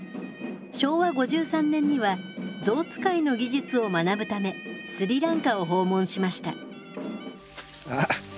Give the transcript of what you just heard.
昭和５３年には象使いの技術を学ぶためスリランカを訪問しました。